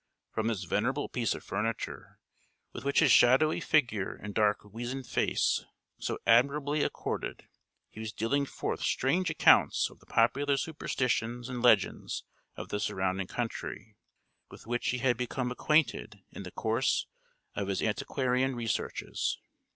From this venerable piece of furniture, with which his shadowy figure and dark weazen face so admirably accorded, he was dealing forth strange accounts of the popular superstitions and legends of the surrounding country, with which he had become acquainted in the course of his antiquarian researches.